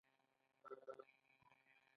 پوره پنځوس افغانۍ یې جیب ته کړې.